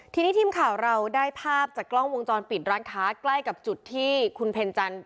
ทีนี้ทีมข่าวเราได้ภาพจากกล้องวงจรปิดร้านค้าใกล้กับจุดที่คุณเพ็ญจันทร์